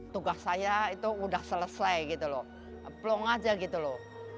tugas saya itu udah selesai gitu loh plong aja gitu loh